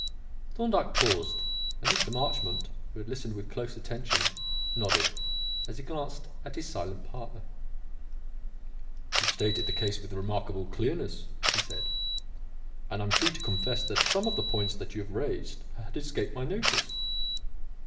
Thorndyke paused, and Mr. Marchmont, who had listened with close attention, nodded, as he glanced at his silent partner. "You have stated the case with remarkable clearness," he said; "and I am free to confess that some of the points that you have raised had escaped my notice."